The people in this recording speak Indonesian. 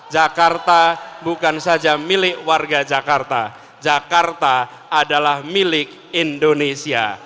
jakarta bukan saja milik warga jakarta jakarta adalah milik indonesia